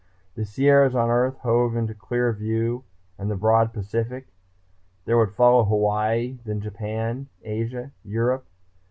The Sierras on Earth hove into clear view and the broad Pacific. There would follow Hawaii, then Japan, Asia, Europe....